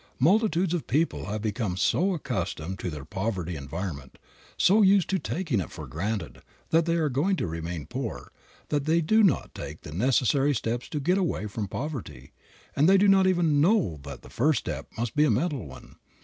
Multitudes of people have become so accustomed to their poverty environment, so used to taking it for granted that they are going to remain poor, that they do not take the necessary steps to get away from poverty; and they do not even know that the first step must be a mental one.